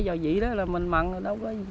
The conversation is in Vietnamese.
do vậy đó là mình mặn đâu có